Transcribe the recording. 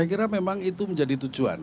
itu memang itu menjadi tujuan